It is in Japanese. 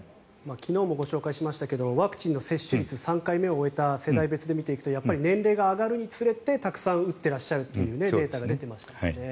昨日もご紹介しましたけどワクチンの接種率３回目を終えた人を世代別に見るとやっぱり年齢が上がるにつれてたくさん打っているというデータが出ていましたからね。